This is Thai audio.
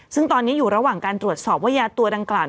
ซึ่งตอนนี้อยู่ระหว่างการตรวจสอบว่ายาตัวดังกล่าว